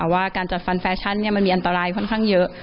ว่าการจัดฟันแฟชั่นมันมีอันตรายค่อนข้างเยอะ